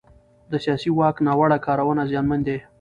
د سیاسي واک ناوړه کارونه زیانمن دي